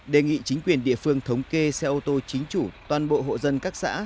đề nghị chính quyền địa phương thống kê xe ô tô chính chủ toàn bộ hộ dân các xã